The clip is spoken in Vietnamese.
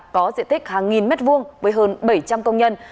có diện tích hàng nghìn mét vuông với hơn bảy trăm linh công nhân